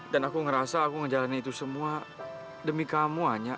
dan aku ngerasa aku ngejalanin itu semua demi kamu anya